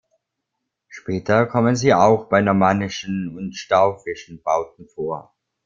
Später kommen sie auch bei normannischen und staufischen Bauten vor.